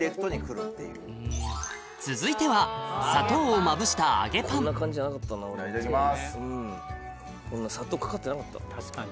続いては砂糖をまぶしたいただきます。